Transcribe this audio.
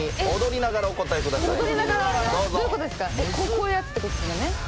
こういうやつってことですよね？